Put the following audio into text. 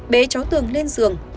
bê cháu tường lên giường